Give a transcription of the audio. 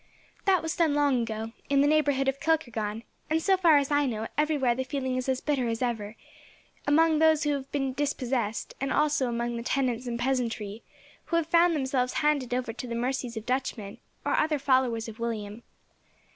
"That was done long ago, in the neighbourhood of Kilkargan, and, so far as I know, everywhere the feeling is as bitter as ever, among those who have been dispossessed, and also among the tenants and peasantry, who have found themselves handed over to the mercies of Dutchmen, or other followers of William.